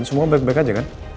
semua baik baik aja kan